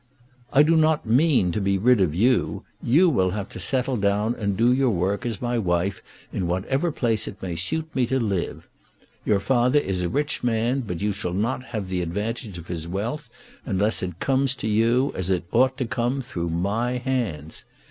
"I do not mean to be rid of you. You will have to settle down and do your work as my wife in whatever place it may suit me to live. Your father is a rich man, but you shall not have the advantage of his wealth unless it comes to you, as it ought to come, through my hands.